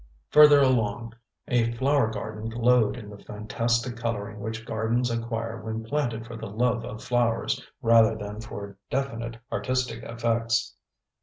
Farther along, a flower garden glowed in the fantastic coloring which gardens acquire when planted for the love of flowers rather than for definite artistic effects.